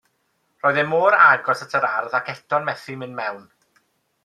Roedd mor agos at yr ardd ac eto'n methu mynd mewn.